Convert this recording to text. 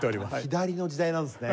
左の時代なんですね。